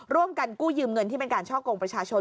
ร่วมกันกู้ยืมเงินที่เป็นการช่อกงประชาชน